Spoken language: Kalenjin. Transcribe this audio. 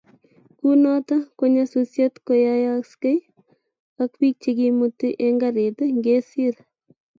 kunoto ko nyasusiet koyayasgei ak biik chegimuti eng karit ngesiir